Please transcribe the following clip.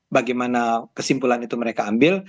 bagaimana kesimpulan itu mereka ambil